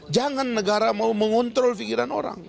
jangan negara mau mengontrol pikiran orang